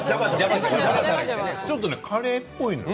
ちょっとカレーっぽいのよ